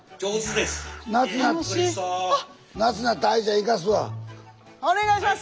夏お願いします。